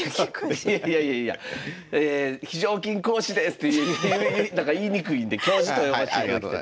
いやいやいや「非常勤講師です」って言いにくいんで教授と呼ばせていただきたい。